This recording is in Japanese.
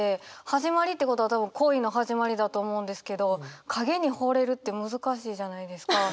「始まり」ってことは多分恋の始まりだと思うんですけど影にほれるって難しいじゃないですか。